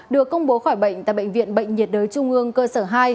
được công bố khỏi bệnh tại bệnh viện bệnh nhiệt đới trung ương cơ sở hai